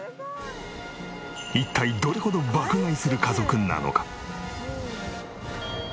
一体どれほど爆買いする家族なのか？